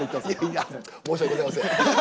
いや申し訳ございません。